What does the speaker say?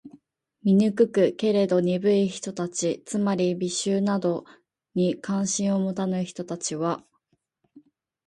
醜く？けれども、鈍い人たち（つまり、美醜などに関心を持たぬ人たち）は、